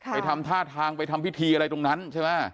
ทำท่าทางไปทำพิธีอะไรตรงนั้นใช่ไหม